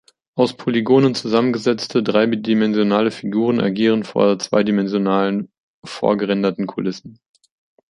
Aus Polygonen zusammengesetzte, dreidimensionale Figuren agieren vor zweidimensionalen, vorgerenderten Kulissen.